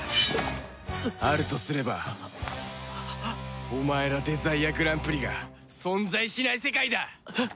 あるとすればお前らデザイアグランプリが存在しない世界だ！